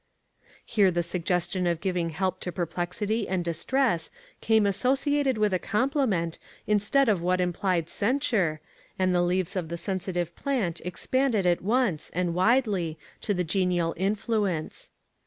Here the suggestion of giving help to perplexity and distress came associated with a compliment instead of what implied censure, and the leaves of the sensitive plant expanded at once, and widely, to the genial influence.